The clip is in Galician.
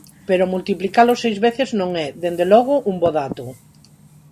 Pero multiplicalo seis veces non é, dende logo, un bo dato.